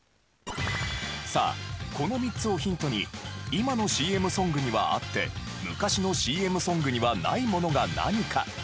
さあこの３つをヒントに今のＣＭソングにはあって昔のＣＭソングにはないものが何かお考えください。